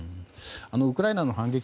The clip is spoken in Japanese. ウクライナの反撃